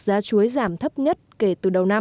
giá chuối giảm thấp nhất kể từ đầu năm